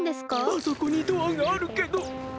あそこにドアがあるけど。